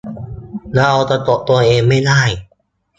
เราสะกดตัวเองไม่ได้